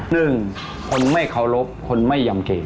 หนึ่งคนไม่เคารพคนไม่ยำเกม